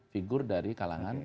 figur dari kalangan